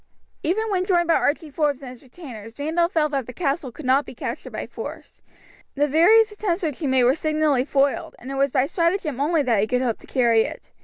Even when joined by Archie Forbes and his retainers Randolph felt that the castle could not be captured by force. The various attempts which he made were signally foiled, and it was by stratagem only that he could hope to carry it.